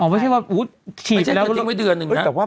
อ๋อไม่ใช่ว่าฉีดแล้ว